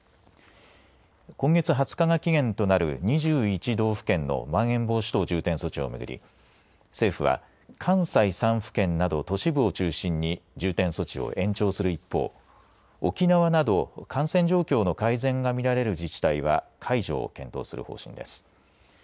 今月２０日が期限となる２１道府県のまん延防止等重点措置を巡り政府は関西３府県など都市部を中心に重点措置を延長する一方、沖縄など感染状況の改善が見られる自治体は解除を検討する方針です。